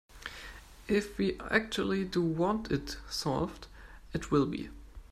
If we actually do want it solved, it will be.